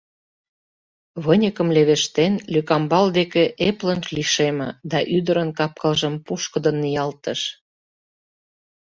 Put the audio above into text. Выньыкым левештен, лӧкамбал деке эплын лишеме да ӱдырын кап-кылжым пушкыдын ниялтыш.